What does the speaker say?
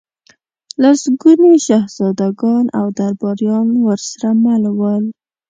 لسګوني شهزادګان او درباریان ورسره مل ول.